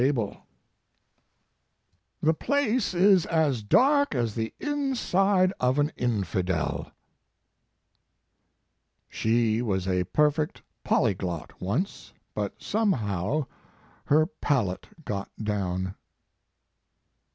His Life and Work. 20? "The place is as dark as the inside of an infidel." "She was a perfect polyglot once, but somehow her palate got down."